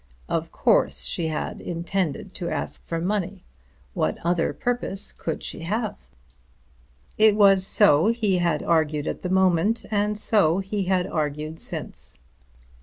Of course she had intended to ask for money. What other purpose could she have had? It was so he had argued at the moment, and so he had argued since.